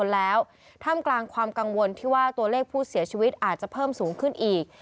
และตัวเลขผู้เสียชีวิตอาจจะเพิ่มสูงขึ้นอีก